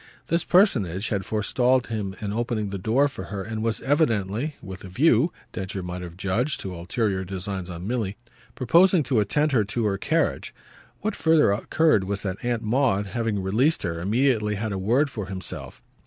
This personage had forestalled him in opening the door for her and was evidently with a view, Densher might have judged, to ulterior designs on Milly proposing to attend her to her carriage. What further occurred was that Aunt Maud, having released her, immediately had a word for himself.